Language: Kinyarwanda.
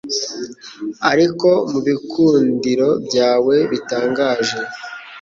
Ariko mubikundiro byawe bitangaje